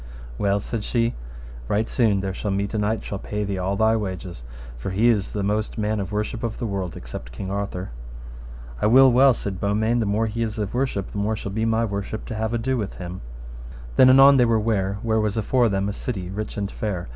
Well, said she, right soon there shall meet a knight shall pay thee all thy wages, for he is the most man of worship of the world, except King Arthur. I will well, said Beaumains, the more he is of worship, the more shall be my worship to have ado with him. Then anon they were ware where was afore them a city rich and fair.